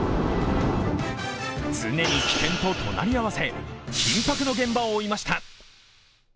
常に危険と隣り合わせ、緊迫の現場を追いました。